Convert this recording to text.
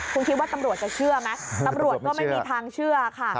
คุณคิดว่าตำรวจจะเชื่อไหมตำรวจก็ไม่มีทางเชื่อค่ะ